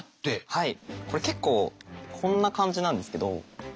はい。